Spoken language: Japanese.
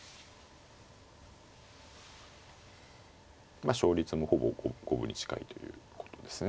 まあ勝率もほぼ五分に近いということですね。